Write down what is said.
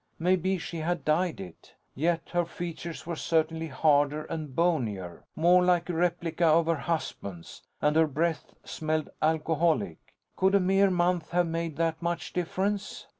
Maybe she had dyed it. Yet her features were certainly harder and bonier. More like a replica of her husband's. And her breath smelled alcoholic. Could a mere month have made that much difference?